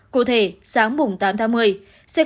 cụ thể đoàn tàu có một mươi bốn tòa xe một mươi hai tòa chở khách